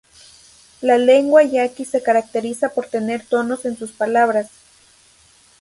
La lengua yaqui se caracteriza por tener tonos en sus palabras.